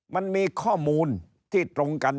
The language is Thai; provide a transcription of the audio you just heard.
มันมีข้อมูลที่ตรงกัน